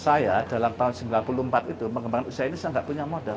saya dalam tahun sembilan puluh empat itu mengembangkan usaha ini saya tidak punya modal